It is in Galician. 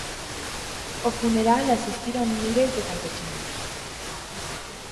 O funeral asistiron miles de campesiños.